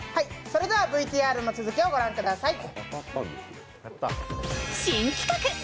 それではＶＴＲの続きをご覧ください。